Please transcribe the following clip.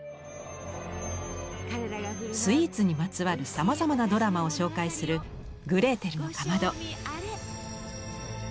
スイーツにまつわるさまざまなドラマを紹介する「グレーテルのかまど」。